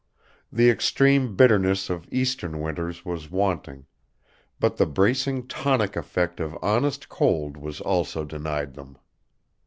The extreme bitterness of Eastern winters was wanting; but the bracing tonic effect of honest cold was also denied them.